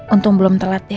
untung belum telah berjumpa